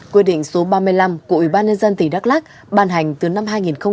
quyết định số ba mươi năm của ủy ban dân tỉnh đắk lắc bàn hành từ năm hai nghìn một mươi bốn